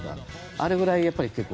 あれぐらい、結構？